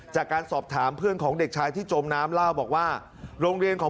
จากการสอบถามเพื่อนของเด็กชายที่จมน้ำเล่าบอกว่าโรงเรียนของ